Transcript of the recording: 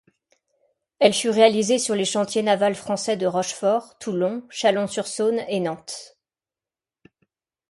Elle fut réalisée sur les chantiers navals français de Rochefort, Toulon, Chalon-sur-Saône et Nantes.